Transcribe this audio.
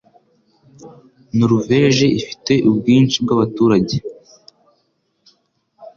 Noruveje ifite ubwinshi bwabaturage.